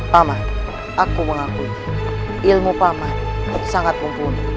paman aku mengakui ilmu paman sangat mumpuni